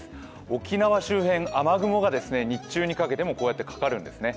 沖縄周辺、雨雲が日中にかけてもこうやってかかるんですね。